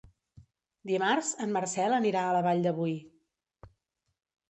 Dimarts en Marcel anirà a la Vall de Boí.